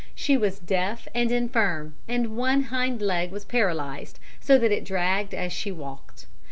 She was deaf and infirm, and one hind leg was paralysed, so that it dragged as she walked.